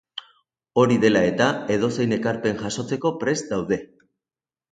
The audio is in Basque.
Hori dela eta, edozein ekarpen jasotzeko prest daude.